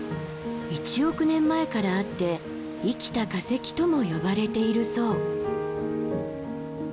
１億年前からあって「生きた化石」とも呼ばれているそう。